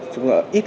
chúng ta ít có bệnh